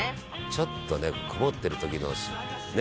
「ちょっとね曇ってる時のね